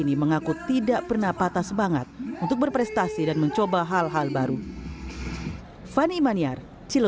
ini mengaku tidak pernah patah semangat untuk berprestasi dan mencoba hal hal baru fani iman